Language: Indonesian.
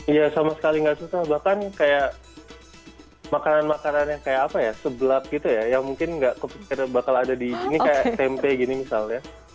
iya sama sekali nggak susah bahkan kayak makanan makanan yang kayak apa ya seblak gitu ya yang mungkin nggak kepikiran bakal ada di sini kayak tempe gini misalnya